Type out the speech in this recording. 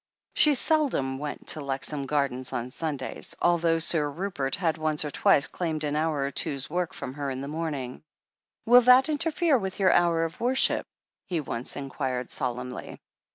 She seldom went to Lexham Gardens on Sundays, THE HEEL OF ACHILLES 261 although Sir Rupert had once or twice claimed an hour or two's work from her in the morning. "Will that interfere with your hour of worship ?" he once inquired solemnly.